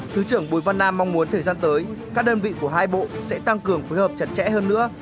thứ trưởng bùi văn nam mong muốn thời gian tới các đơn vị của hai bộ sẽ tăng cường phối hợp chặt chẽ hơn nữa